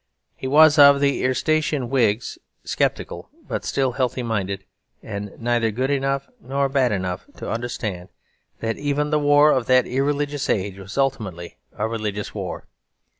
He was of the Erastian Whigs, sceptical but still healthy minded, and neither good enough nor bad enough to understand that even the war of that irreligious age was ultimately a religious war.